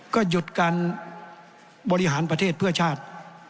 ก็หยุดการบริหารประเทศเพื่อชาติ